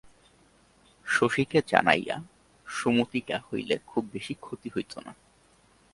শশীকে জানাইয়া সুমতিটা হইলে খুব বেশি ক্ষতি হইত না।